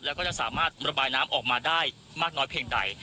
แล้วก็จะสามารถระบายน้ำออกมาได้มากน้อยเพียงใด